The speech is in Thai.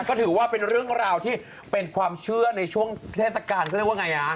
ก็ถือว่าเป็นเรื่องราวที่เป็นความเชื่อในช่วงเทศกาลเขาเรียกว่าไงฮะ